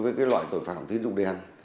với cái loại tội phạm tín dụng đen